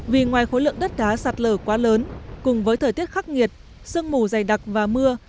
vì ngoài khối lượng đất đá sạt lở quá lớn cùng với thời tiết khắc nghiệt sương mù dày đặc và mưa